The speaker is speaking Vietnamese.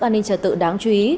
an ninh trả tự đáng chú ý